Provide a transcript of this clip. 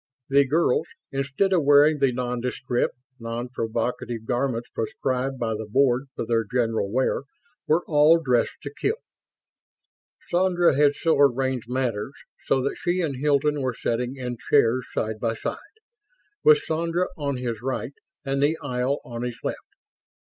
The girls, instead of wearing the nondescript, non provocative garments prescribed by the Board for their general wear, were all dressed to kill. Sandra had so arranged matters that she and Hilton were sitting in chairs side by side, with Sandra on his right and the aisle on his left.